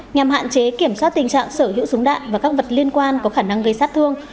nhằm hạn chế kiểm soát tình trạng sở hữu súng đạn và các vật liên quan có khả năng gây sát thương